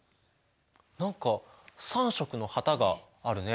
何か３色の旗があるね。